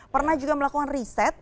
pernah juga melakukan riset